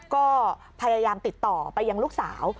ก็พยายามติดต่อไปยังลูกสาว